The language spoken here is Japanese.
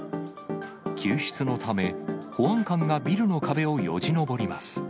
救出のため、保安官がビルの壁をよじ登ります。